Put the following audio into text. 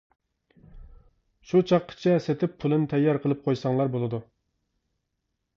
شۇ چاغقىچە سېتىپ پۇلىنى تەييار قىلىپ قويساڭلا بولىدۇ.